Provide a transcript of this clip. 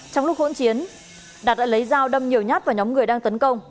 trong lúc hỗn chiến đạt đã lấy dao đâm nhiều nhát vào nhóm người đang tấn công